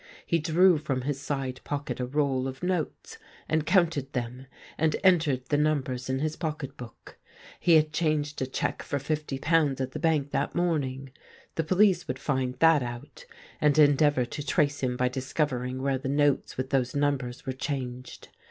He drew from his side pocket a roll of notes, and counted them, and entered the numbers in his pocket book. He had changed a cheque for fifty pounds at the bank that morning. The police would find that out, and endeavour to trace him b}^ discovering where the notes with those numbers were changed.